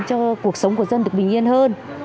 cho cuộc sống của dân được bình yên hơn